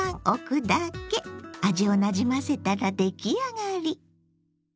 味をなじませたら出来上がり。